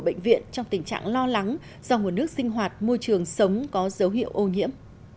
bệnh viện trong tình trạng lo lắng do nguồn nước sinh hoạt môi trường sống có dấu hiệu ô nhiễm